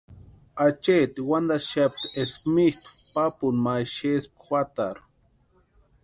Acheeti wantantaxapti eska mitʼu papuni ma xespka juatarhu.